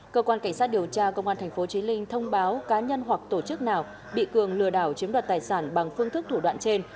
cơ quan cảnh sát điều tra công an tp chí linh thông báo cá nhân hoặc tổ chức nào bị cường lừa đảo chiếm đoạt tài sản bằng phương thức thủ đoạn trên